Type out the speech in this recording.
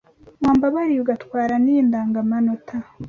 Wambabariye ugatwara n’iyi ndangamanota